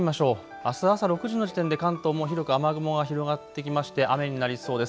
あす朝６時の時点で関東も広く雨雲が広がってきまして雨になりそうです。